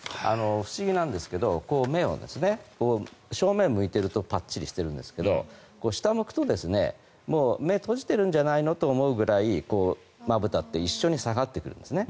不思議なんですが目を、正面を向いているとぱっちりしているんですけど下を向くともう目を閉じてるんじゃないのと思うぐらいまぶたって一緒に下がってくるんですね。